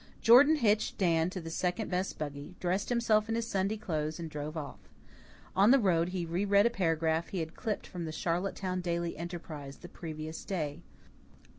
Jordan hitched Dan into the second best buggy, dressed himself in his Sunday clothes, and drove off. On the road he re read a paragraph he had clipped from the Charlottetown Daily Enterprise of the previous day.